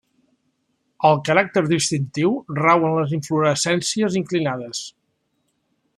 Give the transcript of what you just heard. El caràcter distintiu rau en les inflorescències inclinades.